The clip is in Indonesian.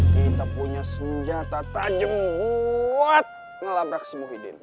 kita punya senjata tajam buat ngelabrak semua hidup